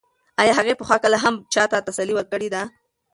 ایا هغې پخوا کله هم چا ته تسلي ورکړې ده؟